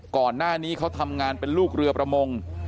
ก่อนหน้านี้เขาทำงานเป็นลูกเรือประมง